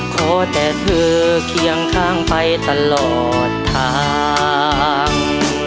ขอแต่เธอเคียงข้างไปตลอดทาง